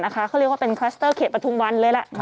เขาเรียกว่าเป็นคลัสเตอร์เขตปฐุมวันเลยล่ะ